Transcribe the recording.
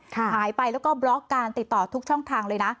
หายไปแล้วก็บล็อกการติดต่อทุกช่องทางเลยนะ